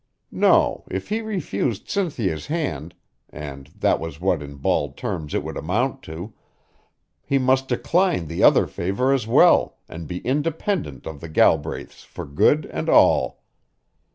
No, if he refused Cynthia's hand and that was what, in bald terms, it would amount to he must decline the other favor as well and be independent of the Galbraiths for good and all.